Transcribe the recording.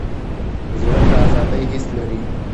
زړه د ازادۍ حس لري.